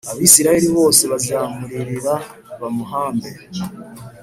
Abisirayeli bose bazamuririra bamuhambe